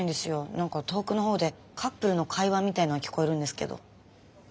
何か遠くの方でカップルの会話みたいのが聞こえるんですけど。